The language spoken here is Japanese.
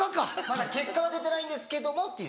まだ結果は出てないんですけどもっていう状態で。